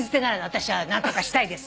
私は何とかしたいです。